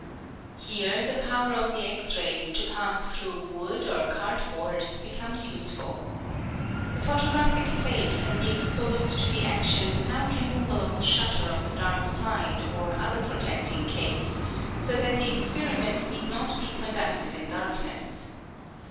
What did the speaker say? Here the power of the X rays to pass through wood or cardboard becomes useful. The photographic plate can be exposed to the action without removal of the shutter of the dark slide or other protecting case, so that the experiment need not be conducted in darkness.